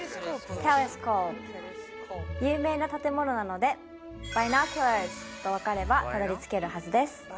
有名な建物なので「Ｂｉｎｏｃｕｌａｒｓ」と分かればたどり着けるはずです。